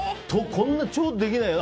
こんなのできないよ！